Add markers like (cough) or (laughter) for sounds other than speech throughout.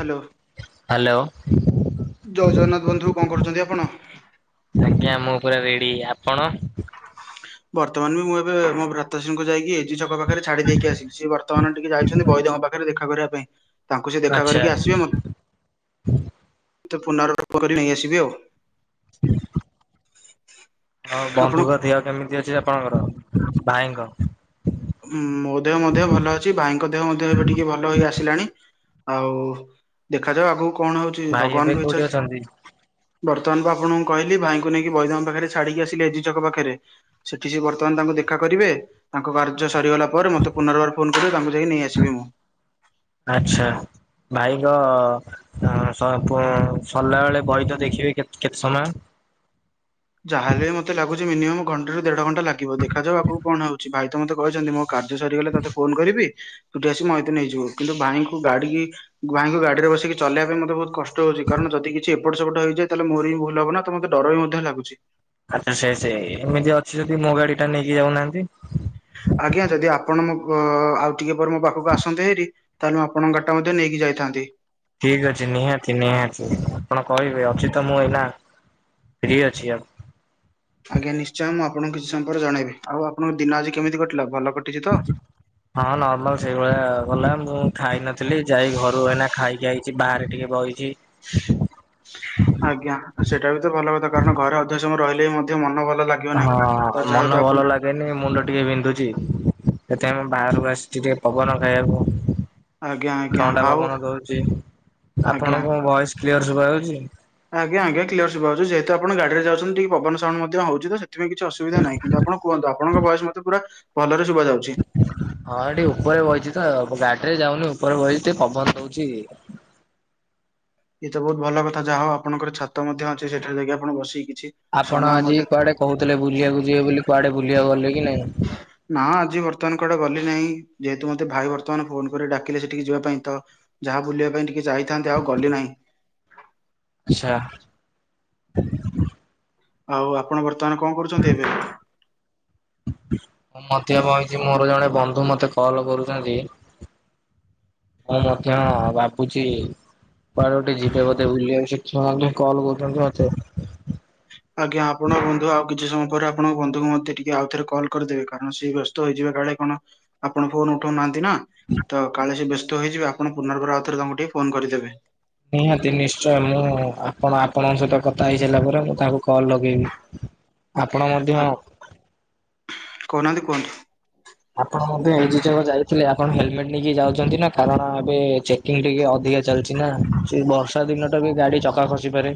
Hello. Hello. ଜୟ ଜଗନ୍ନାଥ ବନ୍ଧୁ କଣ କରୁଚନ୍ତି ଆପଣ? ଆଜ୍ଞା ମୁଁ ପୁରା ରେଡି- ଆପଣ? ବର୍ତ୍ତମାନ ବି ମୁଁ ଏବେ ମୋ ଭ୍ରାତାଶ୍ରୀଙ୍କୁ ଯାଇକି ଜି ଛକ ପାଖେରେ ଛାଡି ଦେଇକି ଆସିଲି ସେ ବର୍ତ୍ତମାନ ଟିକେ ଯାଇଚନ୍ତି ବୈଦଙ୍କ ପାଖେରେ ଦେଖା କରିବା ପାଇଁ। ତାଙ୍କୁ ସେ ଦେଖା ଆଚ୍ଛା କରିକି ଆସିବେ ମୋତେ ମତେ ପୁନର୍ବାର (unintelligible) କରି ନେଇଆସିବି ଆଉ। ହ ହ ହଁ ବନ୍ଧୁଙ୍କ ଦେହ କେମିତି ଅଛି ଆପଣଙ୍କର ଭାଇଙ୍କ? ଉଁ- ମୋ ଦେହ ମଧ୍ୟ ଭଲ ଅଛି ଭାଇଙ୍କ ଦେହ ମଧ୍ୟ ଏବେ ଟିକେ ଭ ଭଲ ହେଇ ଆସିଲାଣି ଆଉ ଦେଖାଯାଉ ଆଗୁକୁ କଣ ହଉଚି ଭାଇ ଏବେ ଭଗବାନଙ୍କ କୋଉଠି ଇଚ୍ଛା ଅଛନ୍ତି ବର୍ତ୍ତମାନ ମୁଁ ଆପଣଙ୍କୁ କହିଲି ଭାଇଙ୍କୁ ନେଇକି ବୈଦଙ୍କ ପାଖରେ ଛାଡିକି ଆସିଲି ଏଜି ଛକ ପାଖେରେ। ସେଠି ସେ ବର୍ତ୍ତମାନ୍ ତାଙ୍କୁ ଦେଖା କରିବେ ତାଙ୍କ କାର୍ ର୍ଯ ସରିଗଲା ପରେ ମତେ ପୁନର୍ବାର ଫୋନ୍ କରିବେ ତାଙ୍କୁ ଯାଇକି ନେଇ ଆସିବି ମୁଁ। ଆଚ୍ଛା ଭାଇଙ୍କ ସ-ପ-ସରିଲା ବେଳେ ବହି ଟା ଦେଖିବେ କେତ୍ -କେତେ ସମୟ? ଯାହାହେଲେ ବି ମତେ ଲାଗୁଚି ମିନିମମ୍ ଘଣ୍ଟେ ରୁ ଦେଢଘଣ୍ଟା ଲାଗିବ ଦେଖାଯାଉ ଆଗୁକୁ କଣ ହଉଚି ଭାଇ ତ ମତେ କହିଚନ୍ତି ମ କାର୍ଯ୍ୟ ସରିଗଲେ ତତେ ଫୋନ୍ କରିବି ତୁ ଟିକେ ଆସି ମଇତେ ନେଇଯିବୁ କିନ୍ତୁ ଭାଇଙ୍କୁ ଗାଡି ଭାଇଙ୍କୁ ଗାଡିରେ ବସିକି ଚଲେଇବା ପାଇଁ ମତେ ବହୁତ୍ କଷ୍ଟ ହଉଚି କଣ ଯଦି କିଛି ଏପଟ୍ ସେପଟ୍ ହେଇଯାଏ ତାହେଲେ ମୋର ବି ଭୁଲ୍ ହବ ନା ତ ମତେ ଡର ବି ମଧ୍ୟ ଲାଗୁଚି। ଆଚ୍ଛା ସେ- ସେଇ ଏମିତି ଅଛି ଯଦି ମୋ ଗାଡି ଟା ନେଇକି ଯାଉନାହାନ୍ତି? ଆଜ୍ଞା ଯଦି ଆପଣ ମୋ ପ-ଆଉ ଟିକେ ପରେ ମୋ ପାଖକୁ ଆସନ୍ତେ ହାରି ତାହେଲେ ମୁଁ ଆପଣଙ୍କ ଗାଡି ଟା ମଧ୍ୟ ନେଇକି ଯାଇଥାନ୍ତି। ଠିକ୍ ଅଛି ନିହାତି ନିହାତି ଆପଣ କହିବେ ଅଛି ତ ମୁଁ ଏଇନା ଫ୍ରି ଅଛି ଆଉ। ଆଜ୍ଞା ନିଶ୍ଚୟ ମୁଁ ଆପଣଙ୍କୁ କିଛି ସମୟ ପରେ ଜଣେଇବି ଆଉ ଆପଣଙ୍କ ଦିନ ଆଜି କେମିତି କଟିଲା ଭଲ କଟିଚି ତ? ହଁ ନର୍ମାଲ୍ ସେଇଭଳିଆ ଗଲା ମୁଁ ଖାଇନଥିଲି ଯାଇ ଘରୁ ଏଇନା ଖାଇକି ଆଇଚି ବାହାରେ ଟିକେ ବଇଚି। ଆଜ୍ଞା ସେଇଟା ବି ତ ଭଲ କଥା କାରଣ ଘରେ ଅଧିକ ସମୟ ରହିଲେ ବି ମଧ୍ୟ ମନ ଭଲ ଲାଗେ ହଁ ମନ ଭଲ ଲାଗେ ନି ମୁଣ୍ଡ ଟିକେ ବିନ୍ଧୁଚି ସେଥିପାଇଁ ମୁଁ ବାହାରୁକୁ ଆସିଚି ଟିକେ ପବନ ଖାଇବାକୁ। ଆଜ୍ଞା ଆଜ୍ଞା ଥଣ୍ଡା ଆଉ ପବନ ଦଉଚି- ଆଜ୍ଞା। ଆପଣଙ୍କୁ ମୋ ଭଏସ୍ କ୍ଲିଅର୍ ଶୁବା ଯାଉଚି? ଆଜ୍ଞା ଆଜ୍ଞା କ୍ଲିଅର୍ ଶୁବାଯାଉଚି ଯେହେତୁ ଆପଣ ଗାଡିରେ ଯାଉଚନ୍ତି ଟିକେ ପବନ ସାଉଣ୍ଡ୍ ମଧ୍ୟ ହଉଚି ତ ସେ ସେଥିପାଇଁ କିଛି ଅସୁବିଧା ନାହିଁ କିନ୍ତୁ ଆପଣ କୁହନ୍ତୁ ଆପଣଙ୍କ ଭଏସ୍ ମତେ ପୁରା ଭଲରେ ଶୁବା ଯାଉଚି। ହଁ ଟିକେ ଉପରେ ବଇଚି ତ ଗାଡିରେ ଯାଉନି ଉପରେ ବଇଚି ଟିକେ ପବନ ହଉଚି। ଇଏ ତ ବହୁତ୍ ଭଲ କଥା ଯାହା ହଉ ଆପଣଙ୍କର ଛାତ ମଧ୍ୟ ଅଛି ସେଠାରେ ଯାଇକି ଆପଣ ବସିକି କିଛି ଆପଣ ସମୟ ଆଜି ମଧ୍ୟ କୁଆଡେ କହୁଥିଲେ ବୁଲିବାକୁ ଯିବେ ବୋଲି କୁଆଡେ ବୁଲିବାକୁ ଗଲେ କି ନାଇଁ? ନା ଆଜି ବର୍ତ୍ତମାନ୍ କୁଆଡେ ଗଲି ନାହିଁ ଯେହେତୁ ମୋତେ ଭାଇ ବର୍ତ୍ତମାନ ଫୋନ୍ କରି ଡାକିଲେ ସେଠିକି ଯିବା ପାଇଁ ତ ଯାହା ବୁଲିବା ପାଇଁ ଟିକେ ଯାଇଥାନ୍ତି ଆଉ ଗଲି ନାହିଁ। ଆଚ୍ଛା। ଆଉ ଆପଣ ବର୍ତ୍ତମାନ୍ କଣ କରୁଚନ୍ତି ଏବେ? ମୁଁ ମଧ୍ୟ ବଇଚି ମୋର ଜଣେ ବନ୍ଧୁ ମତେ କଲ କରୁଚନ୍ତି ହଁ ମଧ୍ୟ ଭାବୁଛି ବାାର ଗୋଟେ ଯିବେ ବୋଧେ ବୁଛୁଆ କଲ କରୁଛନ୍ତି ମତେ ଆଜ୍ଞା ଆପଣ ବନ୍ଧୁ ଆଉ କିଛି ସମୟ ପରେ ଆପଣଙ୍କ ବନ୍ଧୁଙ୍କୁ ମଧ୍ୟ ଟିକେ ଆଉଥରେ କଲ୍ କରିଦେବେ କାରଣ ସେଏ ବ୍ୟସ୍ତ। ତ ହେଇଯିବା କଳେ କଣ ଆପଣ ଫୋନ ଉଠାଉନାହାନ୍ତି ନା ତ କାଳେ ସେ ବ୍ୟସ୍ତ ହୋଇଯିବେ ଆପଣ ପୁନର୍ବାର ଆଉଥରେ ତାଙ୍କୁ ଟିକେ ଫୋନ କରିଦେବେ ନିହାତି ନିଶ୍ଚୟ ମୁଁ ଆପଣ ଆପଣଙ୍କ ସହିତ କଥା ହେଇସାରିଲା ପରେ ମୁଁ ତାଙ୍କୁ କଲ ଲଗେଇବି। ଆପଣ ଆ ମଧ୍ୟ କହୁନାହାନ୍ତି କୁହନ୍ତୁ ଆପଣ ମଧ୍ୟ ଏଇ ଯକ ଯାଇଥିଲେ ଆପଣ ହେଲମେଟ ନେଇକି ଯାଉଛନ୍ତି ନା କାରଣ ଏବେ ଚେକିଂ ଟିକେ ଅଧିକା ଚାଲିଛି ନା ସେ ବର୍ଷା ଦିନ ଟା ବି ଗାଡି ଚକା ଖସି ପାରେ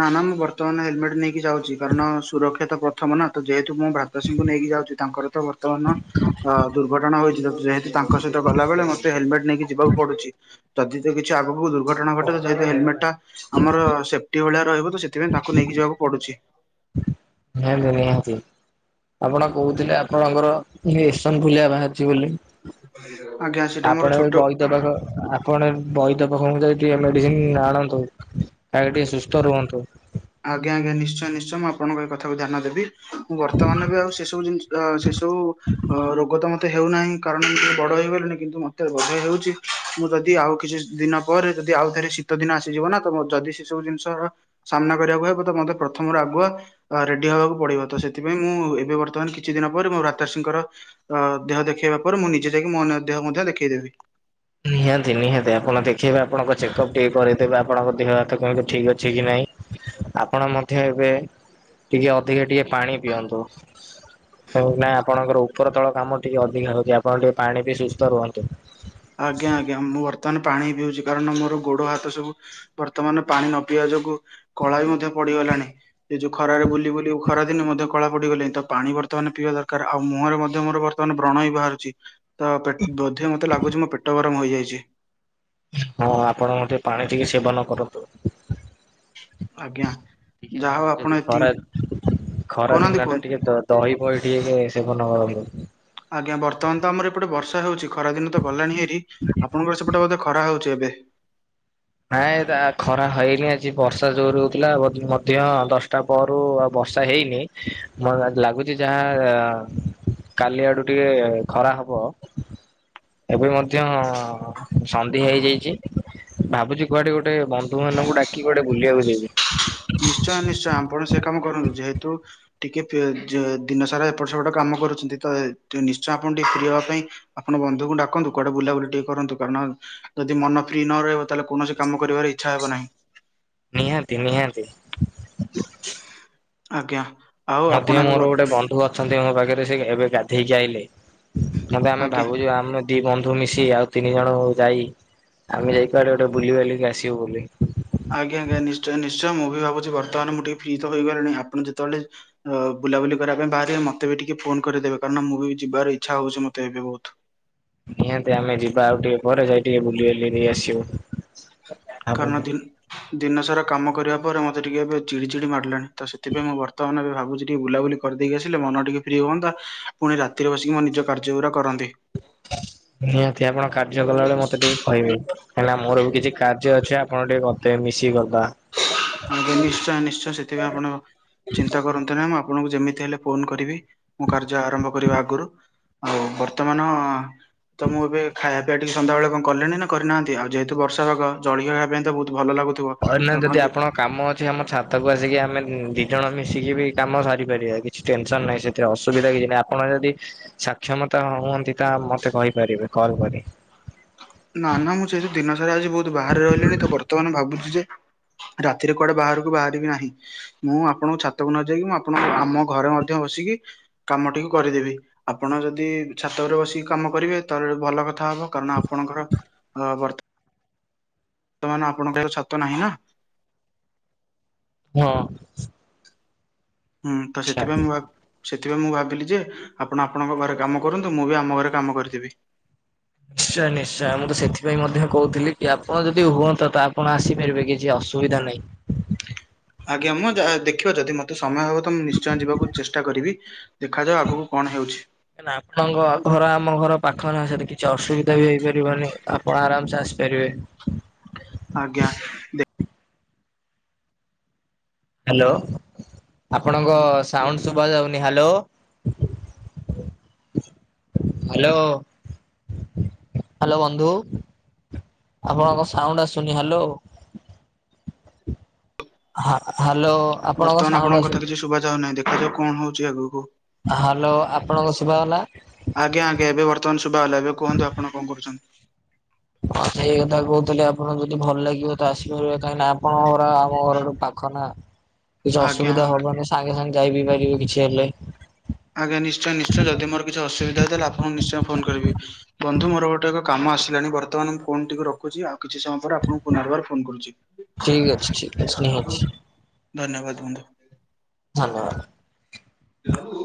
ନା ନା ମୁଁ ବର୍ତ୍ତମାନ ହେଲମେଟ ନେଇକି ଯାଉଛି କାରଣ ସୁରକ୍ଷା ତ ପ୍ରଥମ ନା ତ ଯେହେତୁ ମୁଁ ଭ୍ରାତୃ ସିଂଙ୍କୁ ନେଇକି ଯାଉଛି ତାଙ୍କର ତ ବର୍ତ୍ତମାନ। ଅ ଦୁର୍ଘଟଣା ହୋଇଥିଲା ଯେହେତୁ ତାଙ୍କ ସହିତ ଗଲାବେଳେ ମତେ ହେଲମେଟ ନେଇକି ଯିବାକୁ ପଡୁଛି। ଯଦି ତ କିଛି ଆଗକୁ ଦୁର୍ଘଟଣା ଘଟେ ଯେହେତ ହେଲମେଟ ଟା ଆମର ସେ ଗଟି ଭଳିଆ ରହିବ ତ ସେଥିାଇଁ ତା ନେଇି ଯିବାକୁ ପଡୁଛି। ନଁ ନିହାତି। ଆପଣ କହୁଥିଲେ ଆପଣଙ୍କର ଏସନ ଫୁଲିଆ ବାହାରିଛି ବୋଲି ଆଜ୍ଞା ସେଇଟା ମୋର ଆପଣ ଛୋଟ ବହିଦବାଖ। କଣେ ବୈଦ ପାଖଙ୍କୁ ଯଦ ଟିକେ ମେଡିସିନ ଆଣନ୍ତୁ ଖାକ ଟିକେ ସୁସ୍ଥ ରୁହନ୍ତୁ। ଆଜ୍ଞା ଆ୍ଞା ନିଶ୍ଚୟଶ୍ଚ ମୁଁପଣଙ୍କ ଏ କଥାକୁ ଧ୍ୟାନ ଦେବି। ମୁଁ ବର୍ତ୍ତମାନ ବି ଆଉ ସେ ସବୁ ଜିନିଷ ସେ ସବୁ ରୋଗ ତମ ମୋତେ ହେଉନାହିଁ କାରଣ ମୁଁେ ବଡ଼ ହୋଇଗଲେଣି କିନ୍ତୁ ମୋତେ ବୋ ହେଉଛି ମୁଁ ଯଦି ଆଉ କିଛି ଦିନ। ପରେ ଯଦି ଆଉଥରେ ଶୀତ ଦିନ ଆସିଯିବ ନା ତ ଯଦି ସେ ସବୁ ଜିନିଷର ସାମ୍ନା କରିବାକୁ ହୁବ ତ ମତେ ପ୍ରଥମରୁ ଆଗୁଆ ରେଡି ହବାକୁ ପଡିବ ତ ସେଥିପାଇଁ ମୁଁ ଏବେ ବର୍ତ୍ତମାନ କିଛି ଦିନ ପରେ ମୋ ରାତାଷିଙ୍କର। ଅ ଦେହ ଦେଖେଇବା ପରେ ମୁଁ ନିଜେ ଯାଇକି ମନ ଦେହ ମଧ୍ୟ ଦେଖେଇ ଦେବି। ନିହାତି ନିହାତି ଆପଣ ଦେଖେଇବେ ଆପଣଙ୍କ ଚେକଅପ୍ ଟିକେ କରିଦେବେ ଆପଣଙ୍କ ଦେହ ହାତ କେମିତି ଠିକ୍ ଅଛି କି ନାଇଁ। ଆପଣ ମଧ୍ୟ ଏବେ ଟିକେ ଅଧିକା ଟିକେ ପାଣି ପିଅନ୍ତୁ। କାହିଁକି ନା ଆପଣଙ୍କର ଉପର ତଳ କାମ ଟିକେ ଅଧିକା ହଉଛି ଆପଣ ଟିକେ ପାଣି ପିଇ ସୁସ୍ଥ ରୁହନ୍ତୁ। ଆଜ୍ଞା ଆଜ୍ଞା ମୁଁ ବର୍ତ୍ତମାନ ପାଣି ପିଉଛି କାରଣ ମୋର ଗୋଡ ହାତ ସବୁ ବର୍ତ୍ତମାନ ପାଣି ନ ପିଇବା ଯୋଗୁ କଳା ବି ମଧ୍ୟ ପଡିଗଲାଣି ଏ ଯୋଉ ଖରାରେ ବୁଲି ବୁଲି ଖରାଦିନେ ମଧ୍ୟ କଳା ପଡିଗଲିଣି ତ ପାଣି ବର୍ତ୍ତମାନ ପିଇବା ଦରକାର ଆଉ ମୁହଁରେ ମଧ୍ୟ ବର୍ତ୍ତମାନ ବ୍ରଣ ହି ବାହାରୁଛି। ତ ପେ ବୋଧେ ମତେ ଲାଗୁଛି ମୋ ପେଟ ଗରମ ହେଇଯାଇଛି। ହଁ ଆପଣ ମଧ୍ୟ ପାଣି ଟିକେ ସେବନ କରନ୍ତୁ। ଆଜ୍ଞା ଟିକେ ଯାହା ହଉ ଆପଣ ଯଦି ଏତିକି ଖରା ଖରା କହୁନାହାନ୍ତି ଦିନ ଟା କୁହନ୍ତୁ ଟିକେ ଦର ଦହି ପହି ଟିକେ ଭଲ ହବ। ଆଜ୍ଞା ବର୍ତ୍ତମାନ ତ ଆମର ଏପଟେ ବର୍ଷା ହଉଛି ଖରା ଦିନ ତ ଗଲାଣି ଏଠି। ଆପଣଙ୍କର ସେପଟେ ବୋଧେ ଖରା ହଉଛି ଏବେ। ନାଇଁ ଏ ତା ଖରା ହେଇନି ଆଜି ବର୍ଷା ଜୋରେ ହଉଥିଲା ମଧ୍ୟ ଦଶଟା ପରୁ ଆଉ ବର୍ଷା ହେଇନି ମ ଲାଗୁଛି ଯାହା କାଲି ଆଡୁ ଟିକେ ଖରା ହବ ଏବେ ମଧ୍ୟ ସନ୍ଧ୍ୟା ହେଇଯାଇଛି ଭାବୁଛି କୁଆଡେ ଗୋଟେ ବନ୍ଧୁ ବାନ୍ଧବଙ୍କୁ ଡାକି କୁଆଡେ ବୁଲିଆକୁ ଯିବି। ନିଶ୍ଚୟ ନିଶ୍ଚୟ ଆପଣ ସେ କାମ କରନ୍ତୁ ଯେହେତୁ ଟିକେ ଦିନସାରା ଏପଟ ସେପଟ କାମ କରୁଛନ୍ତି ତ ନିଶ୍ଚୟ ଆପଣ ଟିକେ ଫ୍ରି ହବା ପାଇଁ ଆପଣ ବନ୍ଧୁଙ୍କୁ ଡାକନ୍ତୁ କୁଆଡ଼େ ବୁଲାବୁଲି ଟିକେ କରନ୍ତୁ କାରଣ ଯଦି ମନ ଫ୍ରି ନ ରହିବ ତାହେଲେ କୌଣସି କାମ କରିବାରେ ଇଚ୍ଛା ହେବ ନାହିଁ। ନିହାତି ନିହାତି। ଆଜ୍ଞା। ଆଉ ମଧ୍ୟ ଆପଣ ଏବେ ବ ମୋର ଗୋଟେ ବନ୍ଧୁ ଅଛନ୍ତି ମୋ ପାଖରେ ସେ ଏବେ ଗାଧେଇକି ଆଇଲେ। ମତେ ଆମେ ଆଜ୍ଞା ଭାବୁଛୁ ଆମେ ଦି ବନ୍ଧୁ ମିଶି ଆଉ ତିନି ଜଣ ଯାଇ ଆମେ ଯାଇ କୁଆଡେ ଗୋଟେ ବୁଲି ବାଲିକି ଆସିବୁ ବୋଲି। ଆଜ୍ଞା ଆଜ୍ଞା, ନିଶ୍ଚୟ ନିଶ୍ଚୟ ମୁଁ ବି ଭାବୁଛି ବର୍ତମାନ ମୁଁ ଟିକେ ଫ୍ରି ତ ହେଇଗଲିଣି ଆପଣ ଯେତେବେଳେ ଅ ବୁଲାବୁଲି କରିବା ପାଇଁ ବାହାରିବେ ମତେ ବି ଟିକେ ଫୋନ କରିଦେବେ କାରଣ ମୁଁ ବି ଯିବାର ଇଚ୍ଛା ହଉଛି ମତେ ଏବେ ବହୁତ। ନିହାତି ଆମେ ଯିବା ଆଉ ଟିକେ ପରେ ଯାଇ ଟିକେ ବୁଲି ବାଲି ହେଇ ଆସିବୁ। ଆପଣ କାରଣ ଦିନ ଦିନସାରା କାମ କରିବା ପରେ ମତେ ଟିକିଏ ଏବେ ଚିଡ଼ି ଚିଡ଼ି ମାଡିଲାଣି। ତ ସେଥିପାଇଁ ମୁଁ ବର୍ତ୍ତମାନ ଏବେ ଭାବୁଛି ଟିକେ ବୁଲାବୁଲି କରିଦେଇକି ଆସିଲେ ମନ ଟିକେ ଫ୍ରି ହୁଅନ୍ତା ପୁଣି ରାତିରେ ବସିକି ମୋ ନିଜ କାର୍ଯ୍ୟଉରା କରନ୍ତି। ନିହାତି ଆପଣ କାର୍ଯ୍ୟ କଲାବେଳେ ମତେ ଟିକେ କହିବେ କାହିଁକିନା ମୋର ବି କିଛି କାର୍ ଯ୍ୟ ଅଛି ଆପଣ ଟିକେ ବତେଇବେ ମିଶିକି କରିଦବା। ହଁ ଆଜ୍ଞା ନିଶ୍ଚୟ ନିଶ୍ଚୟ ସେଥିପାଇଁ ଆପଣ ଚିନ୍ତା କରନ୍ତୁ ନି ମୁଁ ଆପଣଙ୍କୁ ଯେମିତି ହେଲେ ଫୋନ କରିବି। ମୁଁ କାର୍ଯ୍ୟ ଆରମ୍ଭ କରିବା ଆଗୁରୁ ଆଉ ବର୍ତ୍ତମାନ ତ ମୁଁ ଏବେ ଖା ବା ଟିକେ ସନ୍ଧ୍ୟା ବେଳେ କଣ କଲେଣି ନା କରିନାହାନ୍ତି ଆଉ ଯେହେତୁ ବର୍ଷାପାଗ ଜଳଖିଆ ଖାଇବା ପାଇଁ ତ ବହୁତ ଭଲ ଲାଗୁ କହିଲି ନା ଯଦି ଆପଣ କାମ ଅଛି ଆମ ଛାତକୁ ଆସିକି ଆମେ ଦି ଜଣ ମିଶିକି ବି କାମ ସାରିପାରିବା କିଛି ଟେନସନ ନାହିଁ ସେଥିରେ ଅସୁବିଧା କିଛି ନାହିଁ ଆପଣ ଯଦି ଶାକ୍ଷମତା ହୁଅନ୍ତି ତା ମତେ କହିପାରିବେ କଲ କରି। ନା ନା ମୁଁ ସେଇ ଯଉ ଦିନ ସାରା ଆଜି ବହୁତ ବାହାରେ ରହିଲିଣି ତ ବର୍ତ୍ତମାନ ଭାବୁଛି ଯେ ରାତିରେ କୁଆଡେ ବାହାରକୁ ବାହାରିବି ନାହିଁ। ମୁଁ ଆପଣଙ୍କ ଛାତକୁ ନ ଯାଇକି ମୁଁ ଆପଣ ଆମ ଘରେ ମଧ୍ୟ ବସିକି କାମ ଟିକୁ କରିଦେବି। ଆପଣ ଯଦି ଛାତ ଉପରେ ବସିକି କାମ କରିବେ ତାହେଲେ ଭଲ କଥା ହବ କାରଣ ଆପଣଙ୍କର ବର୍ତ୍ତ ର୍ତ୍ତମାନ ଆପଣଙ୍କ ଛାତ ନାହିଁ ନା। ହଁ। ହୁଁ ତ ଆଚ୍ଛା। ସେଥିପାଇଁ ମୁଁ ଭାବି ସେଥିପାଇଁ ମୁଁ ଭାବିଲି ଯେ ଆପଣ ଆପଣଙ୍କ ଘରେ କାମ କରନ୍ତୁ, ମୁଁ ବି ଆମ ଘରେ କାମ କରିଦେବି। ନିଶ୍ଚୟ ନିଶ୍ଚୟ ମୁଁ ତ ସେଥିପାଇଁ ମଧ୍ୟ କହୁଥିଲି କି ଆପଣ ଯଦି ହୁଅନ୍ତା ତ ଆପଣ ଆସିପାରିବେ କିଛି ଅ ସୁବିଧା ନାହିଁ। ଆଜ୍ଞା ମୁଁ ଦେଖିବା ଯଦି ମତେ ସମୟ ହବ। ତ ମୁ ନିଶ୍ଚୟ ଯିବାକୁ ଚେଷ୍ଟା କରିବି ଦେଖାଯାଉ ଆଗକୁ କଣ ହେଉଛି। କାଇଁ ନା ଆପଣଙ୍କ ଘର ଆମ ଘର ପାଖ ନା ସେଠି କିଛି ଅସୁବିଧା ବି ହେଇପାରିବନି। ଆପଣ ଆରାମ ସେ ଆସିପାରିବେ। ଆଜ୍ଞା। ହାଲୋ। ଆପଣଙ୍କ ସାଉଣ୍ଡ ସୁଭା ଯାଉନି, ହାଲୋ। ହ୍ୟାଲୋ। ହ୍ୟାଲୋ ବନ୍ଧୁ ଆପଣଙ୍କ ସାଉଣ୍ଡ ଆସୁନି, ହ୍ୟାଲୋ। ହଁ ହ୍ୟାଲୋ। ବର୍ତ୍ତମାନ ଆପଣଙ୍କ କଥା କିଛି ଶୁଭାଯାଉ ନାହିଁ ଦେଖାଯାଉ କଣ ହଉଛି ଆଗକୁ। ହ୍ୟାଲୋ ଆପଣଙ୍କ ଶୁଭ ଗଲା। ଆଜ୍ଞା ଆଜ୍ଞାବେ ବର୍ତମାନ ଶୁଭା ହେଲା ଏବେ କୁହନ୍ତୁ ଆପଣ କଣ କରୁଛନ୍ତି? ହଁ ସେଇ କଥା କହୁଥିଲେ ଆପଣଙ୍କୁ ଯଦି ଭଲ ଲାଗିବ ତ ଆସିପାରିବା କାହିଁକି ନା ଆପଣଙ୍କ ଆମ ଘରଠୁ ପାଖ ନା? (unintelligible) କିଛି ଆଜ୍ଞା ଅସୁବିଧା ହବନି ସାଙ୍ଗେ ସାଙ୍ଗେ ଯାଇ ବିି ପାରିବେ କିଛି ହେଲେ। ଆଜ୍ଞା ନିଶ୍ଚୟ ନିଶ୍ଚୟ ଯଦି ମୋ କିଛି ଅସୁବିଧା ହେଲେ ଆପଣ ନିଶ୍ଚୟ ଫୋନ୍ କରିବି ବନ୍ଧୁ ମୋର ଗୋଟେ ଏବେ କାମ ଆସିଲାଣି ବର୍ତ୍ତମାନ ମୁଁ ଫୋନ ଟିକୁ ରଖୁଛି ଆଉ କିଛି ସମୟ ଆପଣଙ୍କୁ ପୁନର୍ବାର ଫୋନ କରୁଛି ଠିକ୍ ଅଛି ଠିକ୍ ଅଛି ନିହାତି ଧନ୍ୟବାଦ ବନ୍ଧୁ। ଧନ୍ୟବାଦ। ହ୍ୟାଲୋ।